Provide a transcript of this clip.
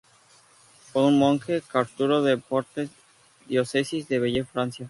Fue un monje cartujo de Portes, diócesis de Belley, Francia.